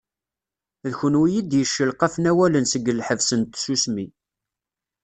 D kunwi i d-yeccelqafen awalen seg lḥebs n tsusmi.